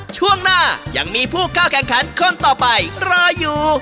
ช่วงหน้ายังมีผู้เข้าแข่งขันคนต่อไปรออยู่